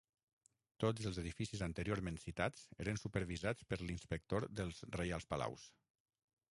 Tots els edificis anteriorment citats eren supervisats per l'Inspector dels Reials Palaus.